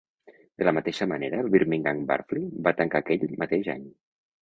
De la mateixa manera, el Birmingham Barfly va tancar aquell mateix any.